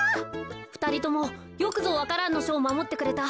ふたりともよくぞ「わか蘭のしょ」をまもってくれた。